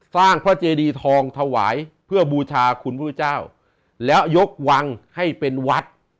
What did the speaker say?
พระเจดีทองถวายเพื่อบูชาคุณพระพุทธเจ้าแล้วยกวังให้เป็นวัด